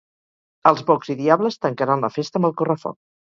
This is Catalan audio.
Els bocs i diables tancaran la festa amb el correfoc